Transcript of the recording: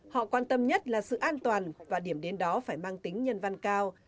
họ quan tâm nhất là sự an toàn và điểm đến đó phải mang tính nhân văn cao